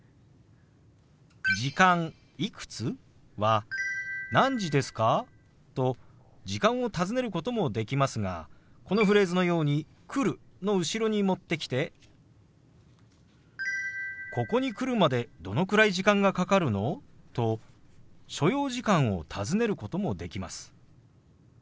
「時間いくつ？」は「何時ですか？」と時間を尋ねることもできますがこのフレーズのように「来る」の後ろに持ってきて「ここに来るまでどのくらい時間がかかるの？」と所要時間を尋ねることもできます。